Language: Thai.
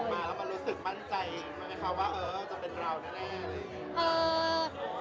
ออกมาแล้วมันรู้สึกมั่นใจว่าจะเป็นเรานั่นแหละ